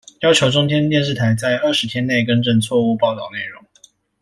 要求中天電視台在二十天內更正錯誤報導內容